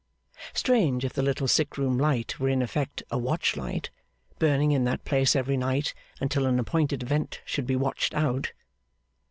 Strange, if the little sick room light were in effect a watch light, burning in that place every night until an appointed event should be watched out!